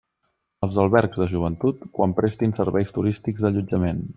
Els albergs de joventut, quan prestin serveis turístics d'allotjament.